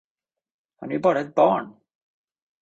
Han är ju bara ett barn!